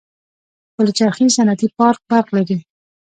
د پلچرخي صنعتي پارک برق لري؟